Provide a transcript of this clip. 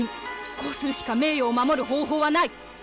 こうするしか名誉を守る方法はない。